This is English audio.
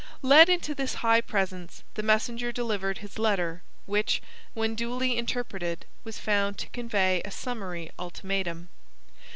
Led into this high presence the messenger delivered his letter, which, when duly interpreted, was found to convey a summary ultimatum.